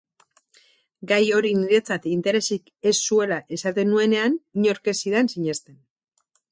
Gai hori niretzat interesik ez zuela esaten nuenean inork ez zidan sinesten.